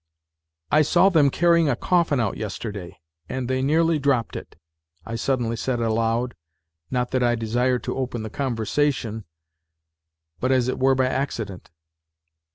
" I saw them carrying a coffin out yesterday and they nearly dropped it," I suddenly said aloud, not that I desired to open the conversation, but as it were by accident.